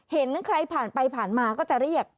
เห็นใครผ่านไปผ่านมาก็จะเรียก